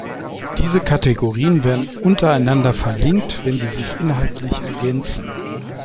Diese Kategorien werden untereinander verlinkt, wenn sie sich inhaltlich ergänzen.